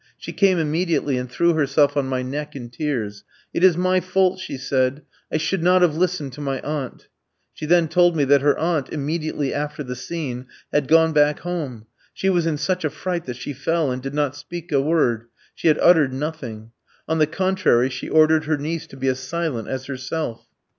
She came immediately, and threw herself on my neck in tears. "'It is my fault,' she said. 'I should not have listened to my aunt.' "She then told me that her aunt, immediately after the scene, had gone back home. She was in such a fright that she fell and did not speak a word; she had uttered nothing. On the contrary, she ordered her niece to be as silent as herself.